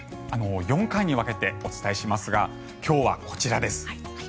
４回に分けてお伝えしますが今日はこちらです。